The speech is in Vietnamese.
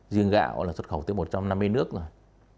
riêng gạo là xuất khẩu tới một trăm năm mươi nước rồi